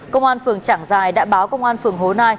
công an phường trảng giài đã báo công an phường hố nai